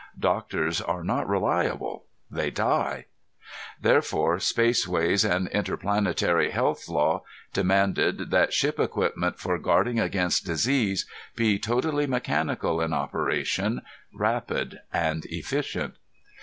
Doctors are not reliable; they die. Therefore spaceways and interplanetary health law demanded that ship equipment for guarding against disease be totally mechanical in operation, rapid and efficient.